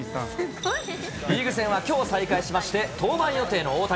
リーグ戦はきょう開催しまして、登板予定の大谷。